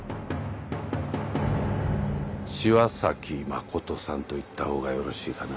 千和崎真さんといったほうがよろしいかな？